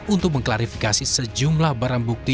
untuk mengklarifikasi sejumlah barang bukti